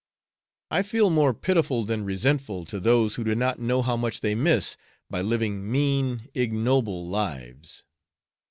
I feel more pitiful than resentful to those who do not know how much they miss by living mean, ignoble lives."